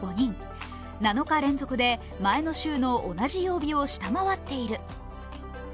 ７日連続で前の週の同じ曜日を下回っている。